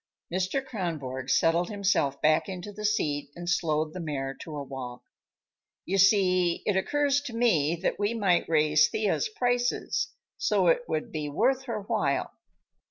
Mr. Kronborg settled himself back into the seat and slowed the mare to a walk. "You see, it occurs to me that we might raise Thea's prices, so it would be worth her while.